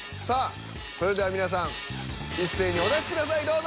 さあそれでは皆さん一斉にお出しください。